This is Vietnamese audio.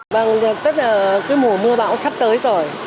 bằng tất cả mùa mưa bão sắp tới rồi